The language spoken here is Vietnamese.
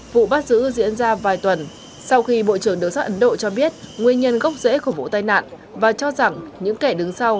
vụ bắt giữ diễn ra vài tuần sau khi bộ trưởng đường sắt ấn độ cho biết nguyên nhân gốc rễ của vụ tai nạn và cho rằng những kẻ đứng sau